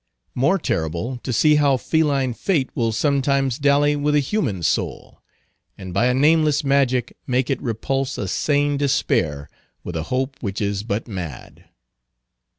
More terrible, to see how feline Fate will sometimes dally with a human soul, and by a nameless magic make it repulse a sane despair with a hope which is but mad.